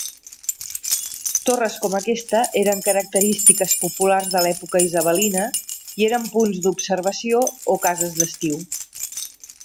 Torres com aquesta eren característiques populars de l'època isabelina i eren punts d'observació o cases d'estiu.